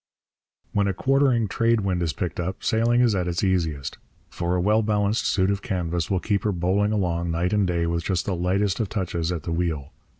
When a quartering trade wind is picked up sailing is at its easiest; for a well balanced suit of canvas will keep her bowling along night and day with just the lightest of touches at the wheel.